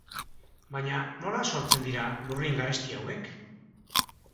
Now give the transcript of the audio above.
Baina nola sortzen dira lurrin garesti hauek?